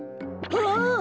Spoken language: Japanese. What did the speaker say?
ああ！